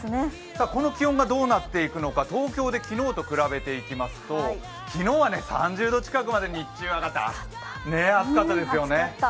この気温がどうなっていくのか東京で昨日と比べてみますと昨日は３０度近くまで日中上がって、暑かったですよね。